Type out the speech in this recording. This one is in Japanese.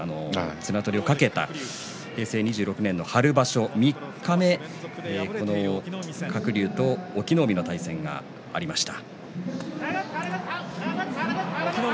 綱取りを懸けた平成２６年の春場所、三日目鶴竜と隠岐の海の対戦がありました。